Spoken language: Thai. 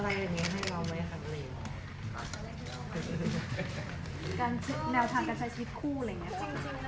การแนวทางการใช้ชีวิตคู่อะไรอย่างเงี้ย